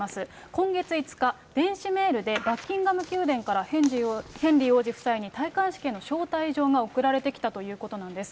今月５日、電子メールでバッキンガム宮殿からヘンリー王子夫妻に戴冠式への招待状が送られてきたということなんです。